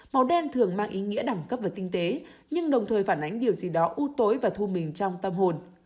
màu đen thường mang ý nghĩa đẳng cấp về tinh tế nhưng đồng thời phản ánh điều gì đó ưu tối và thu mình trong tâm hồn